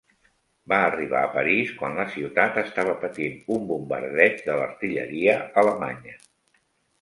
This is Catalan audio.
Va arribar a París quan la ciutat estava patint un bombardeig de l'artilleria alemanya.